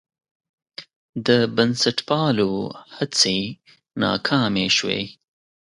د بنسټپالو هڅې ناکامې شوې.